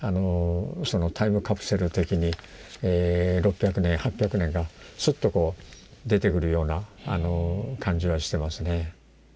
タイムカプセル的に６００年８００年がスッとこう出てくるような感じはしてますね。